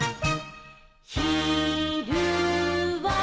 「ひるは」